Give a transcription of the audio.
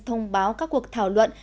thông báo các cuộc thảo luận